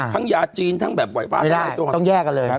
ทั้งยาจีนทั้งแบบไหวฟ้าทะลายโจรไม่ได้ต้องแยกกันเลย